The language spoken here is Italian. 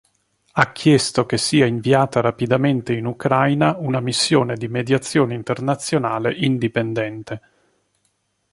Ha chiesto che sia inviata rapidamente in Ucraina una missione di mediazione internazionale indipendente.